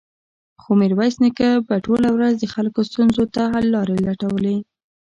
خو ميرويس نيکه به ټوله ورځ د خلکو ستونزو ته د حل لارې لټولې.